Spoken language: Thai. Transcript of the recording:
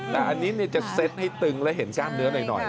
แต่อันนี้จะเซ็ตให้ตึงแล้วเห็นกล้ามเนื้อหน่อย